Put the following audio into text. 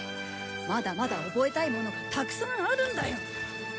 まだまだ覚えたいものがたくさんあるんだよ。